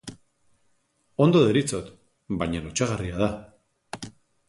Ondo deritzot, baina lotsagarria da.